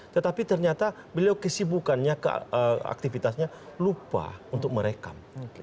tetapi ternyata beliau kesibukannya aktivitasnya lupa untuk merekam